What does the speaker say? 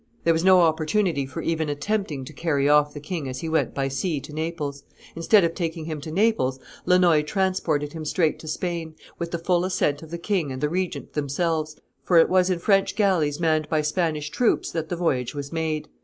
There was no opportunity for even attempting to carry off the king as he went by sea to Naples; instead of taking him to Naples, Lannoy transported him straight to Spain, with the full assent of the king and the regent themselves, for it was in French galleys manned by Spanish troops that the voyage was made.